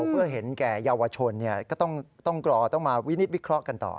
เพื่อเห็นแก่เยาวชนก็ต้องรอต้องมาวินิตวิเคราะห์กันต่อ